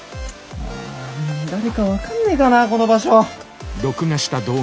あ誰か分かんねえかなこの場所。